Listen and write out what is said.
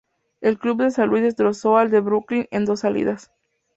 El club de San Luis destrozó al de Brooklyn en dos salidas.